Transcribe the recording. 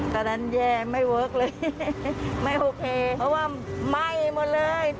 ตอนนั้นแย่ไม่เวิร์คเลยไม่โอเคเพราะว่าไหม้หมดเลย